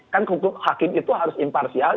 kan hakim itu harus imparsial